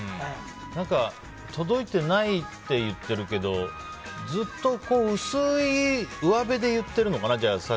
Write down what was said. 何か、届いてないって言ってるけどずっと薄い上辺で言ってるのかな。